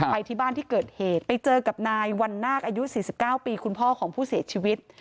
ไปที่บ้านที่เกิดเหตุไปเจอกับนายวันนาคอายุ๔๙ปีคุณพ่อของผู้เสียชีวิต